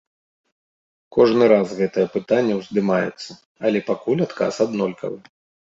Кожны раз гэтае пытанне ўздымаецца, але пакуль адказ аднолькавы.